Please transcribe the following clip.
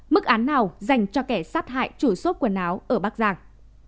mức án nào dành cho kẻ sát hại chủ xốp quần áo ở bắc giang